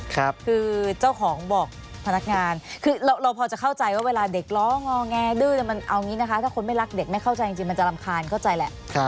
คือเจ้าของบอกพนักงานคือเราพอจะเข้าใจว่าเวลาเด็กร้องอแงดื้อมันเอางี้นะคะถ้าคนไม่รักเด็กไม่เข้าใจจริงมันจะรำคาญเข้าใจแหละ